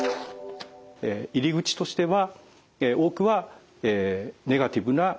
入り口としては多くはネガティブなライフイベント。